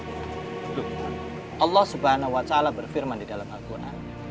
hidup allah swt berfirman di dalam al quran